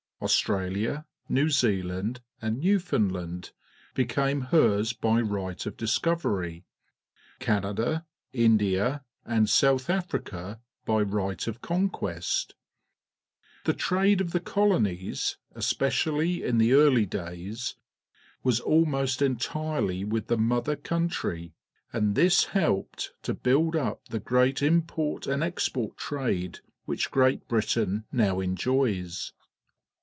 Australia, New Zealand, and Newfoundland became hers by rig ht of diacoiiery; Canada, India, and South Africa by right_Qf .coiLquesL The trade of the colonies, especially in the early days, was almost entirely with the mother country, and this helped to build up the great import and export trade which Great Britain now enjoys.